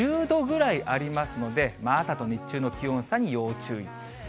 １０度ぐらいありますので、朝と日中の気温差に要注意。